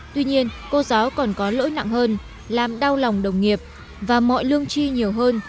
tuy nhiên cô giáo còn có lỗi nặng hơn làm đau lòng đồng nghiệp và mọi lương chi nhiều hơn